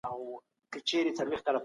حکومت به اقتصادي شرایط نور هم ښه کړي.